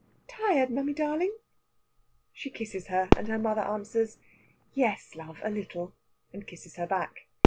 "Tired, mammy darling?" She kisses her, and her mother answers: "Yes, love, a little," and kisses her back.